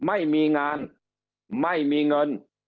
ไม่มีงานไม่มีเงิน